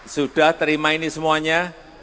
sudah terima ini semuanya